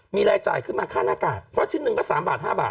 มีรายจ่ายขึ้นมาค่าหน้ากากเพราะชิ้นหนึ่งก็๓บาท๕บาท